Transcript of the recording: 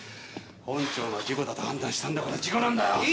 本庁が事故だと判断したんだから事故なんだよ！